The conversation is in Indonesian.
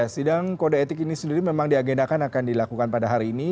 sidang kode etik ini sendiri memang diagendakan akan dilakukan pada hari ini